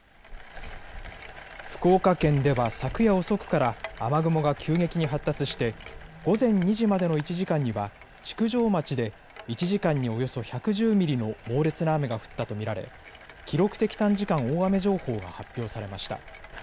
福岡県では昨夜遅くから雨雲が急激に発達して午前２時までの１時間には築上町で１時間におよそ１１０ミリの猛烈な雨が降ったと見られ記録的短時間大雨情報が発表されました。